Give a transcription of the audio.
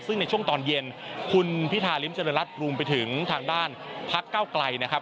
ซึ่งในช่วงตอนเย็นคุณพิธาริมเจริญรัฐรวมไปถึงทางด้านพักเก้าไกลนะครับ